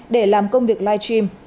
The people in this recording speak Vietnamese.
để làm công việc livestream